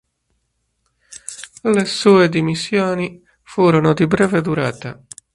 Le sue dimissioni furono di breve durata.